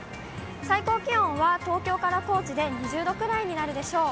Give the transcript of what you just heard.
最高気温は東京から高知で２０度くらいになるでしょう。